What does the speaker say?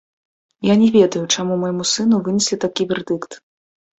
Я не ведаю, чаму майму сыну вынеслі такі вердыкт.